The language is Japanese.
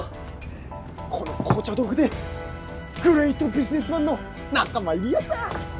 この紅茶豆腐でグレイトビジネスマンの仲間入りヤサ！